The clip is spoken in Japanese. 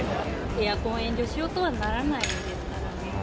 エアコン遠慮しようとはならないですかね。